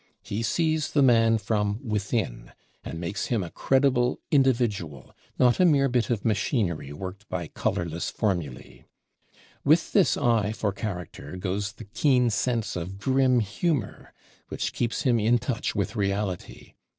He sees the man from within and makes him a credible individual, not a mere bit of machinery worked by colorless formulæ. With this eye for character goes the keen sense of grim humor which keeps him in touch with reality.